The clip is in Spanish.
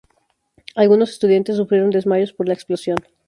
Algunos estudiantes sufrieron desmayos por la explosión.